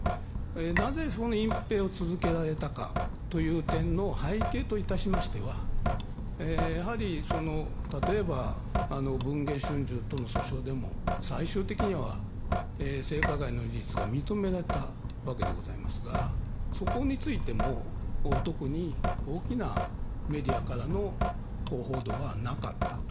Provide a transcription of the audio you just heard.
なぜ隠ぺいを続けられたかという点の背景といたしましては例えば文藝春秋との訴訟でも最終的には性加害の事実が認められたわけでございますがそこについても特に大きなメディアからの報道はなかった。